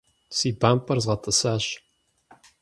Си бампӀэр згъэтӀысащ.